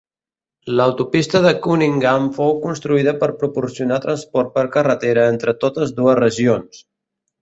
L'autopista de Cunningham fou construïda per proporcionar transport per carretera entre totes dues regions.